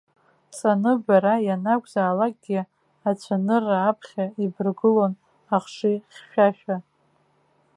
Ҵаны, бара ианакәзаалакгьы ацәанырра аԥхьа ибыргылон ахшыҩ хьшәашәа.